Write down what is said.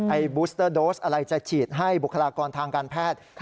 บูสเตอร์โดสอะไรจะฉีดให้บุคลากรทางการแพทย์